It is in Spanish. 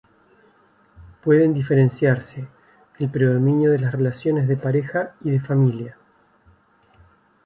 Pueden diferenciarse: El predominio de las relaciones de pareja y de familia.